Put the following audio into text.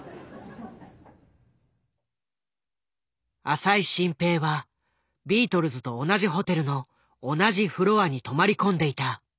浅井愼平はビートルズと同じホテルの同じフロアに泊まり込んでいた。